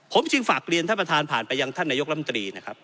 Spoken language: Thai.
ผมจึงฝากเรียนท่านประธานผ่านไปยังท่านนายกรรมตรีนะครับ